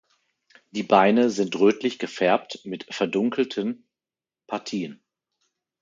Die Beine sind rötlich gefärbt mit verdunkelten Partien.